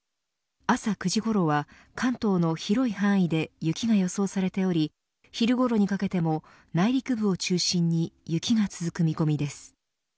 朝９時ごろは関東の広い範囲で雪が予想されており昼ごろにかけても内陸部を中心に雪が続く見込みです。